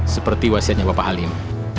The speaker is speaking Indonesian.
seperti wasiatnya bapak halim